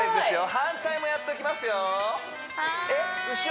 反対もやっときますよ